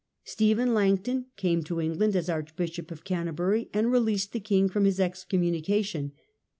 Stephen Langton came to England as Archbishop of Canterbury, and released the king from his excommunication.